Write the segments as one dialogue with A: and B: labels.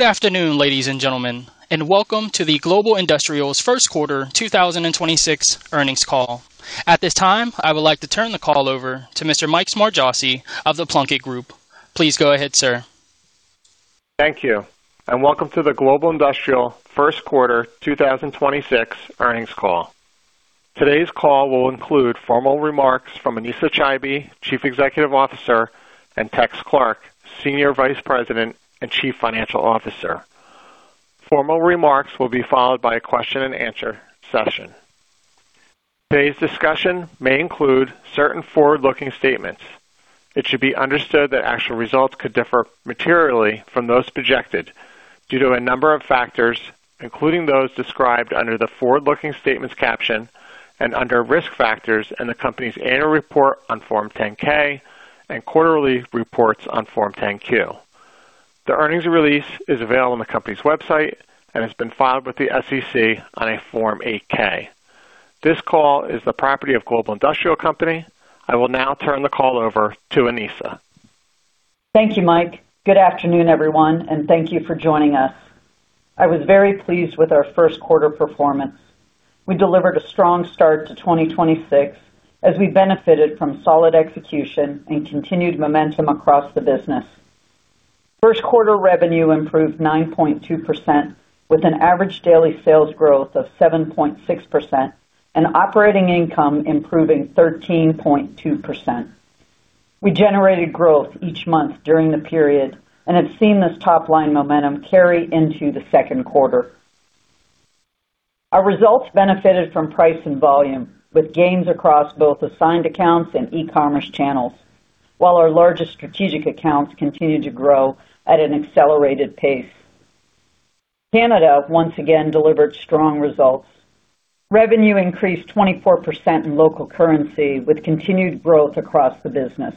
A: Good afternoon, ladies and gentlemen, and welcome to the Global Industrial First Quarter 2026 Earnings Call. At this time, I would like to turn the call over to Mr. Mike Smargiassi of The Plunkett Group. Please go ahead, sir.
B: Thank you. Welcome to the Global Industrial First Quarter 2026 Earnings Call. Today's call will include formal remarks from Anesa Chaibi, Chief Executive Officer, and Tex Clark, Senior Vice President and Chief Financial Officer. Formal remarks will be followed by a question-and-answer session. Today's discussion may include certain forward-looking statements. It should be understood that actual results could differ materially from those projected due to a number of factors, including those described under the forward-looking statements caption and under Risk Factors in the company's annual report on Form 10-K and quarterly reports on Form 10-Q. The earnings release is available on the company's website and has been filed with the SEC on a Form 8-K. This call is the property of Global Industrial Company. I will now turn the call over to Anesa.
C: Thank you, Mike. Good afternoon, everyone, and thank you for joining us. I was very pleased with our first quarter performance. We delivered a strong start to 2026 as we benefited from solid execution and continued momentum across the business. First quarter revenue improved 9.2% with an average daily sales growth of 7.6% and operating income improving 13.2%. We generated growth each month during the period and have seen this top-line momentum carry into the second quarter. Our results benefited from price and volume, with gains across both assigned accounts and e-commerce channels, while our largest strategic accounts continued to grow at an accelerated pace. Canada once again delivered strong results. Revenue increased 24% in local currency, with continued growth across the business.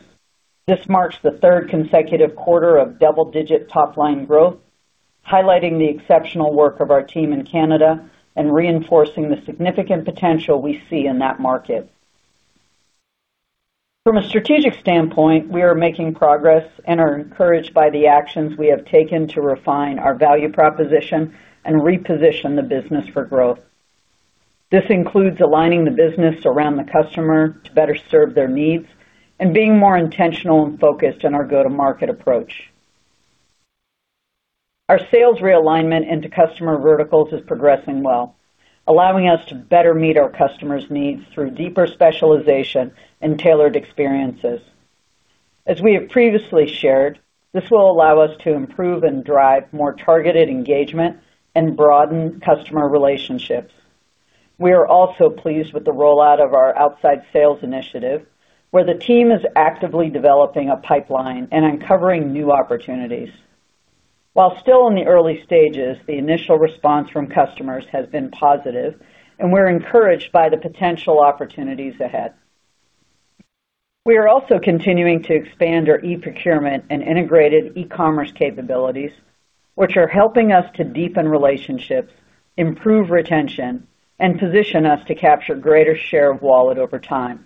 C: This marks the third consecutive quarter of double-digit top-line growth, highlighting the exceptional work of our team in Canada and reinforcing the significant potential we see in that market. From a strategic standpoint, we are making progress and are encouraged by the actions we have taken to refine our value proposition and reposition the business for growth. This includes aligning the business around the customer to better serve their needs and being more intentional and focused on our go-to-market approach. Our sales realignment into customer verticals is progressing well, allowing us to better meet our customers' needs through deeper specialization and tailored experiences. As we have previously shared, this will allow us to improve and drive more targeted engagement and broaden customer relationships. We are also pleased with the rollout of our outside sales initiative, where the team is actively developing a pipeline and uncovering new opportunities. While still in the early stages, the initial response from customers has been positive, and we're encouraged by the potential opportunities ahead. We are also continuing to expand our e-procurement and integrated e-commerce capabilities, which are helping us to deepen relationships, improve retention, and position us to capture greater share of wallet over time.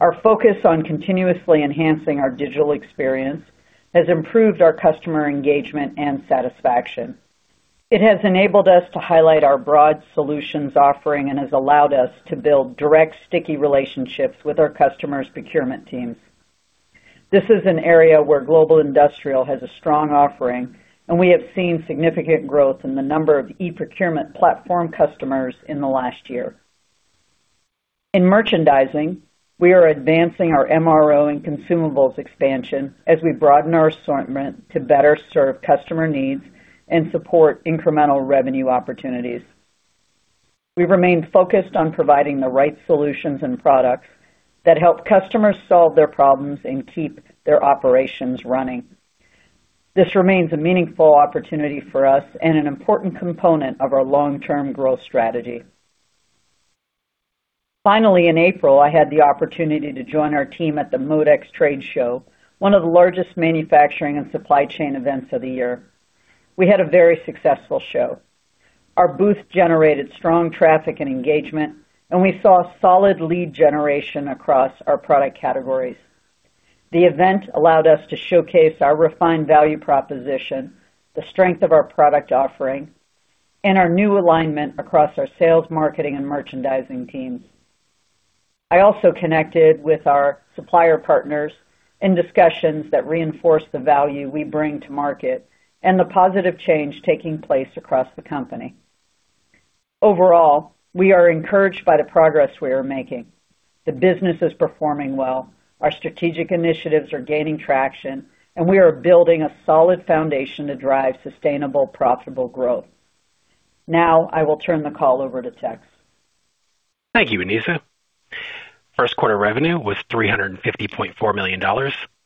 C: Our focus on continuously enhancing our digital experience has improved our customer engagement and satisfaction. It has enabled us to highlight our broad solutions offering and has allowed us to build direct, sticky relationships with our customers' procurement teams. This is an area where Global Industrial has a strong offering, and we have seen significant growth in the number of e-procurement platform customers in the last year. In merchandising, we are advancing our MRO and consumables expansion as we broaden our assortment to better serve customer needs and support incremental revenue opportunities. We remain focused on providing the right solutions and products that help customers solve their problems and keep their operations running. This remains a meaningful opportunity for us and an important component of our long-term growth strategy. Finally, in April, I had the opportunity to join our team at the MODEX trade show, one of the largest manufacturing and supply chain events of the year. We had a very successful show. Our booth generated strong traffic and engagement, and we saw solid lead generation across our product categories. The event allowed us to showcase our refined value proposition, the strength of our product offering, and our new alignment across our sales, marketing, and merchandising teams. I also connected with our supplier partners in discussions that reinforce the value we bring to market and the positive change taking place across the company. Overall, we are encouraged by the progress we are making. The business is performing well. Our strategic initiatives are gaining traction, and we are building a solid foundation to drive sustainable, profitable growth. Now I will turn the call over to Tex.
D: Thank you, Anesa. First quarter revenue was $350.4 million,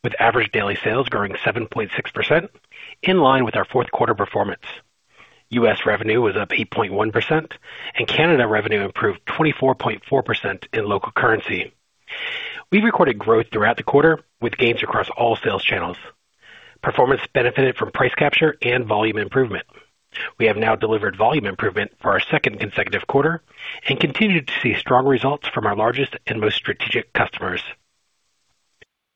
D: with average daily sales growing 7.6%, in line with our fourth quarter performance. U.S. revenue was up 8.1%, and Canada revenue improved 24.4% in local currency. We recorded growth throughout the quarter, with gains across all sales channels. Performance benefited from price capture and volume improvement. We have now delivered volume improvement for our second consecutive quarter and continued to see strong results from our largest and most strategic customers.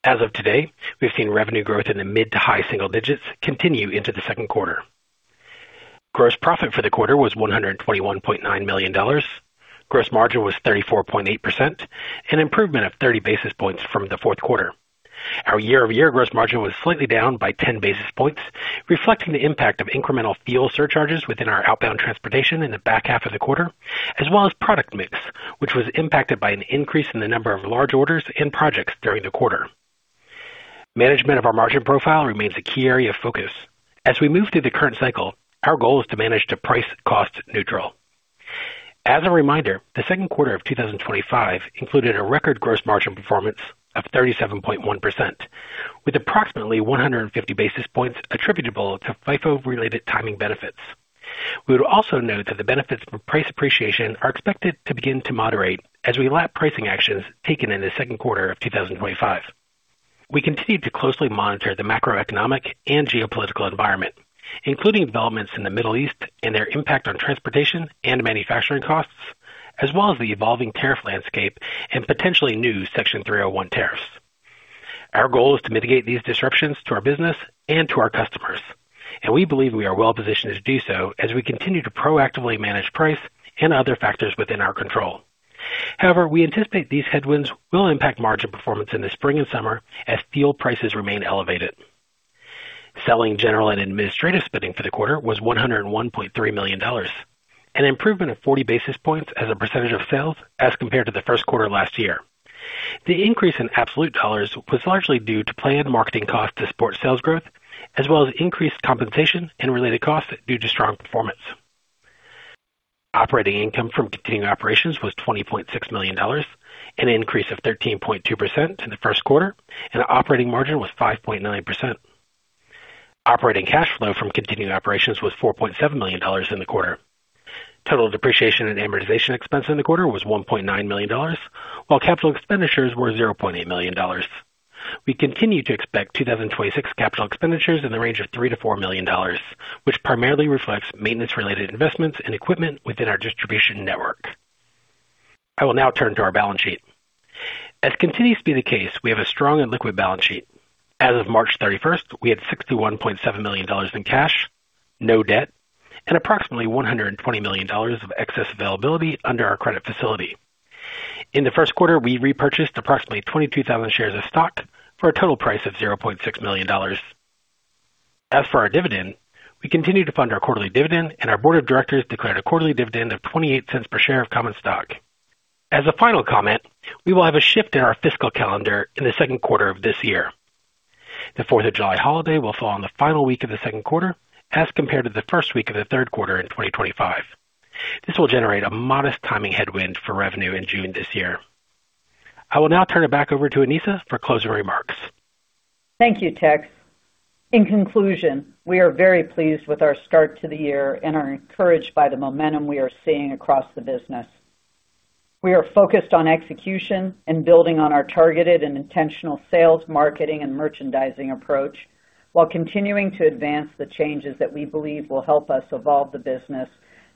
D: As of today, we've seen revenue growth in the mid to high single digits continue into the second quarter. Gross profit for the quarter was $121.9 million. Gross margin was 34.8%, an improvement of 30 basis points from the fourth quarter. Our year-over-year gross margin was slightly down by 10 basis points, reflecting the impact of incremental fuel surcharges within our outbound transportation in the back half of the quarter, as well as product mix, which was impacted by an increase in the number of large orders and projects during the quarter. Management of our margin profile remains a key area of focus. As we move through the current cycle, our goal is to manage to price cost neutral. As a reminder, the second quarter of 2025 included a record gross margin performance of 37.1%, with approximately 150 basis points attributable to FIFO-related timing benefits. We would also note that the benefits of price appreciation are expected to begin to moderate as we lap pricing actions taken in the second quarter of 2025. We continue to closely monitor the macroeconomic and geopolitical environment, including developments in the Middle East and their impact on transportation and manufacturing costs, as well as the evolving tariff landscape and potentially new Section 301 tariffs. Our goal is to mitigate these disruptions to our business and to our customers, and we believe we are well-positioned to do so as we continue to proactively manage price and other factors within our control. However, we anticipate these headwinds will impact margin performance in the spring and summer as fuel prices remain elevated. Selling general and administrative spending for the quarter was $101.3 million, an improvement of 40 basis points as a percentage of sales as compared to the first quarter last year. The increase in absolute dollars was largely due to planned marketing costs to support sales growth, as well as increased compensation and related costs due to strong performance. Operating income from continuing operations was $20.6 million, an increase of 13.2% in the first quarter, and operating margin was 5.9%. Operating cash flow from continuing operations was $4.7 million in the quarter. Total depreciation and amortization expense in the quarter was $1.9 million, while capital expenditures were $800,000. We continue to expect 2026 capital expenditures in the range of $3 million-$4 million, which primarily reflects maintenance-related investments in equipment within our distribution network. I will now turn to our balance sheet. As continues to be the case, we have a strong and liquid balance sheet. As of March 31st, we had $61.7 million in cash, no debt, and approximately $120 million of excess availability under our credit facility. In the first quarter, we repurchased approximately 22,000 shares of stock for a total price of $600,000. As for our dividend, we continue to fund our quarterly dividend, and our board of directors declared a quarterly dividend of $0.28 per share of common stock. As a final comment, we will have a shift in our fiscal calendar in the second quarter of this year. The 4th of July holiday will fall on the final week of the second quarter as compared to the first week of the third quarter in 2025. This will generate a modest timing headwind for revenue in June this year. I will now turn it back over to Anesa for closing remarks.
C: Thank you, Tex. In conclusion, we are very pleased with our start to the year and are encouraged by the momentum we are seeing across the business. We are focused on execution and building on our targeted and intentional sales, marketing, and merchandising approach while continuing to advance the changes that we believe will help us evolve the business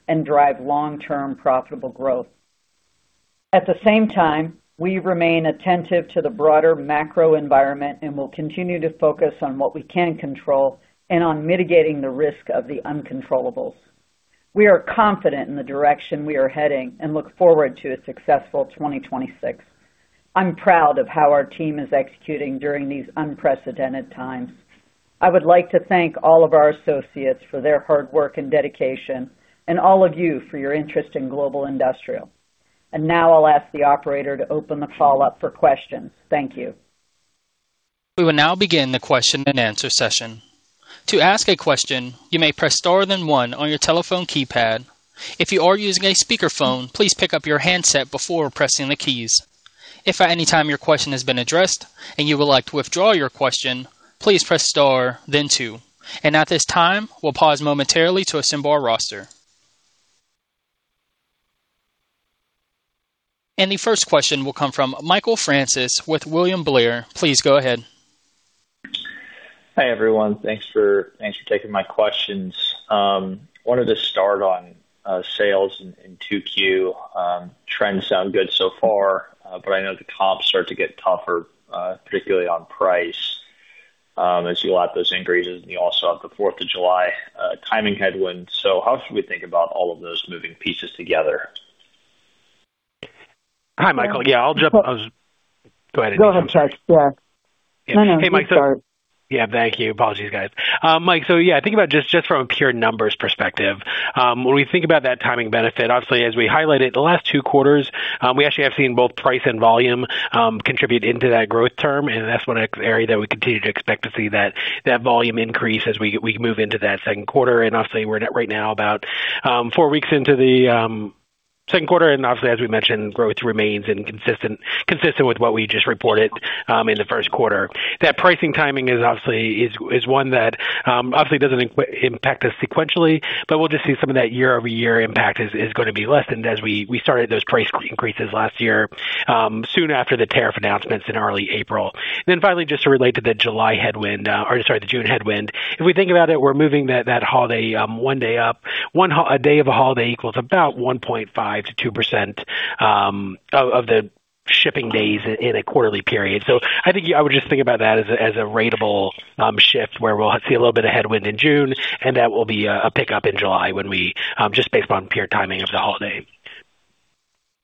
C: and drive long-term profitable growth. At the same time, we remain attentive to the broader macro environment and will continue to focus on what we can control and on mitigating the risk of the uncontrollables. We are confident in the direction we are heading and look forward to a successful 2026. I'm proud of how our team is executing during these unprecedented times. I would like to thank all of our associates for their hard work and dedication and all of you for your interest in Global Industrial. Now I'll ask the operator to open the follow-up for questions. Thank you.
A: We will now begin the question and answer session. To ask a question, you may press star then one on your telephone keypad. If you are using a speakerphone, please pick up your handset before pressing the keys. If at any time your question has been addressed and you would like to withdraw your question, please press star then two. At this time, we'll pause momentarily to assemble our roster. The first question will come from Michael Francis with William Blair. Please go ahead.
E: Hi, everyone. Thanks for taking my questions. Wanted to start on sales in 2Q. Trends sound good so far, I know the comps start to get tougher, particularly on price, as you allow those increases and you also have the 4th of July timing headwinds. How should we think about all of those moving pieces together?
D: Hi, Michael. Yeah, I'll jump. Go ahead.
C: Go ahead, Tex. Yeah.
D: Hey, Mike.
C: You start.
D: Yeah. Thank you. Apologies, guys. Mike, yeah, I think about just from a pure numbers perspective, when we think about that timing benefit, obviously as we highlighted the last two quarters, we actually have seen both price and volume contribute into that growth term. That's one area that we continue to expect to see that volume increase as we move into that second quarter. Obviously we're at right now about four weeks into the second quarter. Obviously, as we mentioned, growth remains consistent with what we just reported in the first quarter. That pricing timing is obviously one that obviously doesn't impact us sequentially, but we'll just see some of that year-over-year impact is gonna be lessened as we started those price increases last year soon after the tariff announcements in early April. Finally, just to relate to the July headwind, or sorry, the June headwind, if we think about it, we're moving that holiday one day up. A day of a holiday equals about 1.5% to 2% of the shipping days in a quarterly period. I think I would just think about that as a ratable shift where we'll see a little bit of headwind in June, and that will be a pickup in July when we just based on pure timing of the holiday.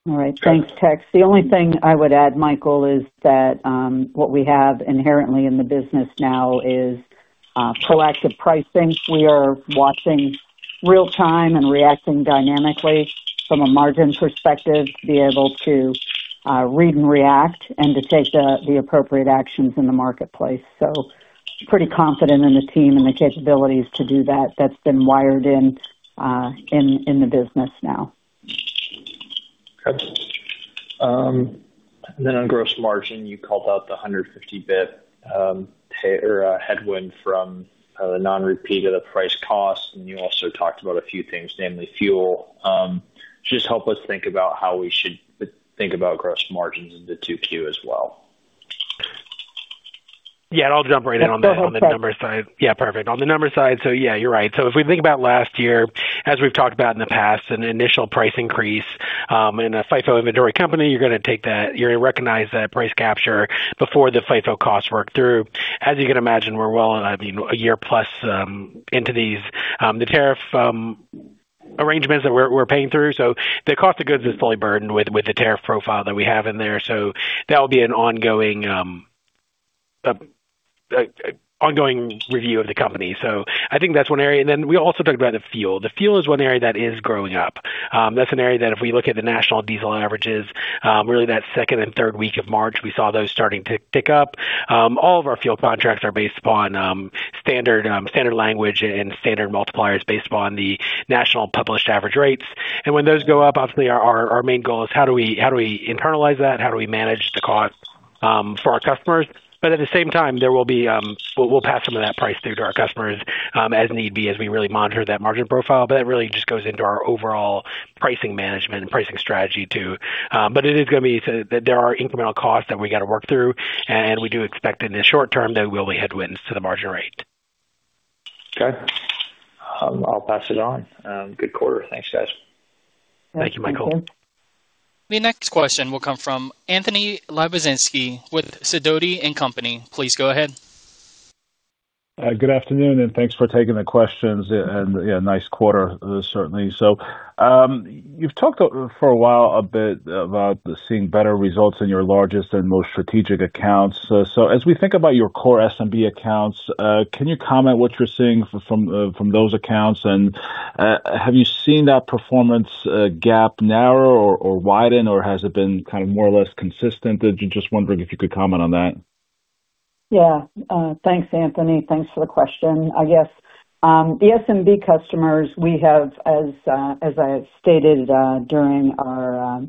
C: All right. Thanks, Tex. The only thing I would add, Michael, is that what we have inherently in the business now is proactive pricing. We are watching real time and reacting dynamically from a margin perspective to be able to read and react and to take the appropriate actions in the marketplace. Pretty confident in the team and the capabilities to do that. That's been wired in the business now.
E: Okay. On gross margin, you called out the 150 basis points, pay or a headwind from kind of the non-repeat of the price cost, and you also talked about a few things, namely fuel. Just help us think about how we should think about gross margins in the 2Q as well.
D: Yeah. I'll jump right in on the numbers side. Yeah, perfect. On the numbers side, yeah, you're right. If we think about last year, as we've talked about in the past, an initial price increase, in a FIFO inventory company, you're gonna take that you're gonna recognize that price capture before the FIFO costs work through. As you can imagine, we're well, I mean, a year plus, into these, the tariff arrangements that we're paying through. The cost of goods is fully burdened with the tariff profile that we have in there. That'll be an ongoing review of the company. I think that's one area. We also talked about the fuel. The fuel is one area that is growing up. That's an area that if we look at the national diesel averages, really that second and third week of March, we saw those starting to tick up. All of our fuel contracts are based upon standard language and standard multipliers based upon the national published average rates. When those go up, obviously our main goal is how do we internalize that? How do we manage the cost for our customers? At the same time, there will be, we'll pass some of that price through to our customers as need be as we really monitor that margin profile. That really just goes into our overall pricing management and pricing strategy too. It is going to be so that there are incremental costs that we got to work through, and we do expect in the short term there will be headwinds to the margin rate.
E: Okay. I'll pass it on. Good quarter. Thanks, guys.
D: Thank you, Michael.
C: Thank you.
A: The next question will come from Anthony Lebiedzinski with Sidoti & Company. Please go ahead.
F: Good afternoon, thanks for taking the questions. Yeah, nice quarter, certainly. You've talked for a while a bit about seeing better results in your largest and most strategic accounts. As we think about your core SMB accounts, can you comment what you're seeing from those accounts? Have you seen that performance gap narrow or widen, or has it been kind of more or less consistent? Just wondering if you could comment on that.
C: Thanks, Anthony. Thanks for the question. I guess, the SMB customers we have as I stated during our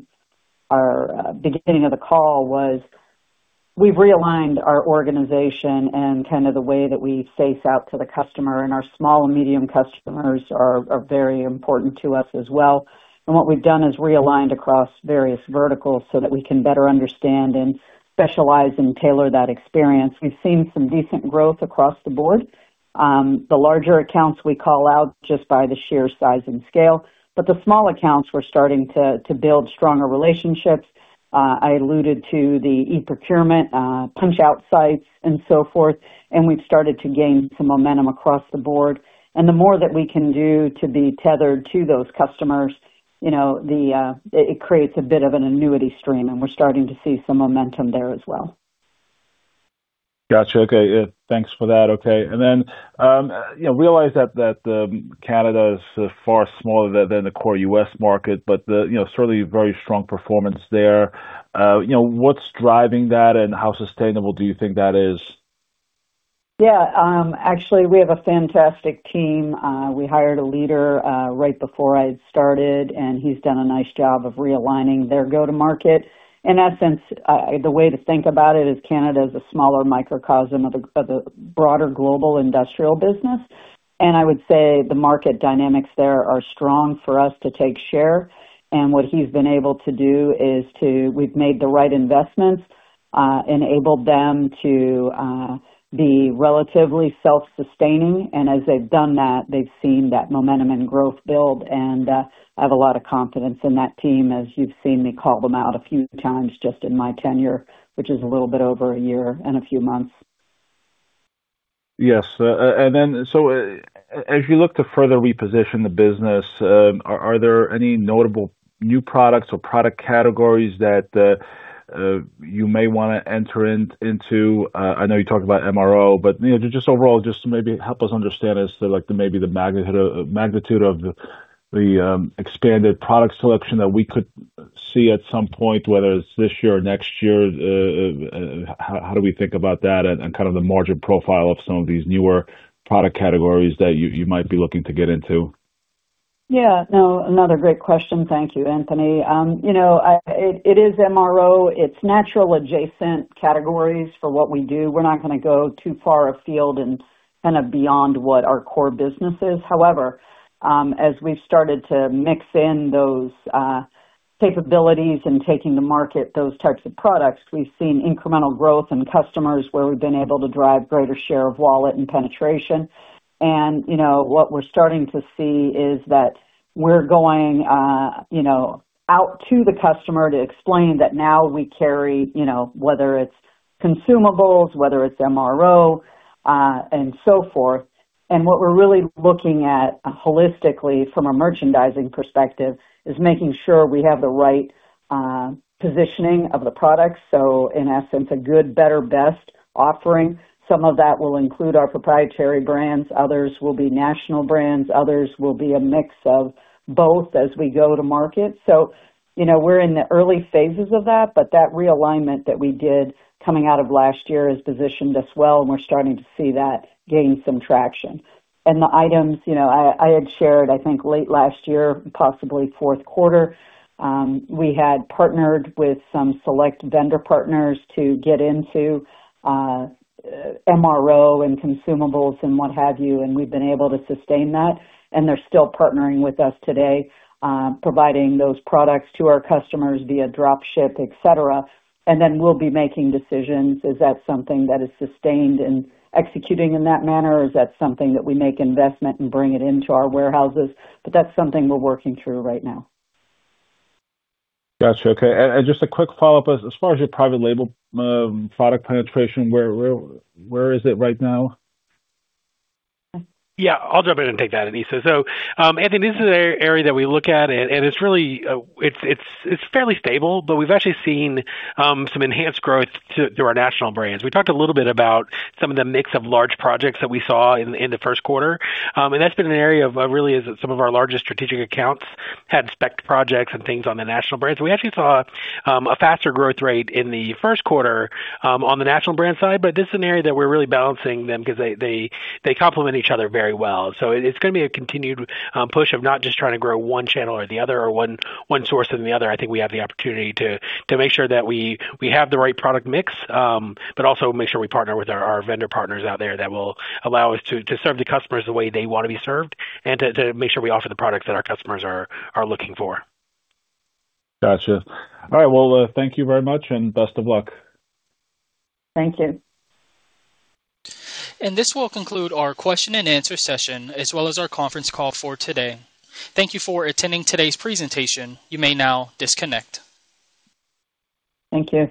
C: beginning of the call was we've realigned our organization and kind of the way that we face out to the customer. Our small and medium customers are very important to us as well. What we've done is realigned across various verticals so that we can better understand and specialize and tailor that experience. We've seen some decent growth across the board. The larger accounts we call out just by the sheer size and scale. The small accounts we're starting to build stronger relationships. I alluded to the e-procurement punch-out sites and so forth. We've started to gain some momentum across the board. The more that we can do to be tethered to those customers, you know, it creates a bit of an annuity stream, and we're starting to see some momentum there as well.
F: Gotcha. Okay. Yeah, thanks for that. Okay. you know, realize that Canada is far smaller than the core U.S. market, but the, you know, certainly very strong performance there. you know, what's driving that, and how sustainable do you think that is?
C: Yeah. Actually, we have a fantastic team. We hired a leader, right before I started, he's done a nice job of realigning their go-to-market. In that sense, the way to think about it is Canada is a smaller microcosm of the, of the broader Global Industrial business. I would say the market dynamics there are strong for us to take share. What he's been able to do is we've made the right investments, enabled them to be relatively self-sustaining. As they've done that, they've seen that momentum and growth build, I have a lot of confidence in that team, as you've seen me call them out a few times just in my tenure, which is a little bit over a year and a few months.
F: Yes. As you look to further reposition the business, are there any notable new products or product categories that you may wanna enter into? I know you talked about MRO, but, you know, just overall, just to maybe help us understand as to like maybe the magnitude of the expanded product selection that we could see at some point, whether it's this year or next year. How do we think about that and kind of the margin profile of some of these newer product categories that you might be looking to get into?
C: Yeah. No, another great question. Thank you, Anthony. You know, it is MRO. It's natural adjacent categories for what we do. We're not gonna go too far afield and kind of beyond what our core business is. However, as we've started to mix in those capabilities and taking to market those types of products, we've seen incremental growth in customers where we've been able to drive greater share of wallet and penetration. You know, what we're starting to see is that we're going, you know, out to the customer to explain that now we carry, you know, whether it's consumables, whether it's MRO, and so forth. What we're really looking at holistically from a merchandising perspective is making sure we have the right positioning of the products. In essence, a good better best offering. Some of that will include our proprietary brands, others will be national brands, others will be a mix of both as we go to market. You know, we're in the early phases of that, but that realignment that we did coming out of last year has positioned us well, and we're starting to see that gain some traction. The items, you know, I had shared, I think late last year, possibly fourth quarter, we had partnered with some select vendor partners to get into MRO and consumables and what have you, and we've been able to sustain that, and they're still partnering with us today, providing those products to our customers via drop ship, et cetera. We'll be making decisions. Is that something that is sustained in executing in that manner, or is that something that we make investment and bring it into our warehouses? That's something we're working through right now.
F: Got you. Okay. Just a quick follow-up. As far as your private label, product penetration, where is it right now?
D: Yeah, I'll jump in and take that, Anesa. Anthony, this is an area that we look at and it's really, it's fairly stable, but we've actually seen some enhanced growth through our national brands. We talked a little bit about some of the mix of large projects that we saw in the first quarter. That's been an area of really is some of our largest strategic accounts, had spec projects and things on the national brands. We actually saw a faster growth rate in the first quarter on the national brand side, but this is an area that we're really balancing them 'cause they complement each other very well. It's gonna be a continued push of not just trying to grow one channel or the other or one source or the other. I think we have the opportunity to make sure that we have the right product mix, but also make sure we partner with our vendor partners out there that will allow us to serve the customers the way they wanna be served, and to make sure we offer the products that our customers are looking for.
F: Gotcha. All right. Well, thank you very much and best of luck.
C: Thank you.
A: This will conclude our question and answer session, as well as our conference call for today. Thank you for attending today's presentation. You may now disconnect.
C: Thank you.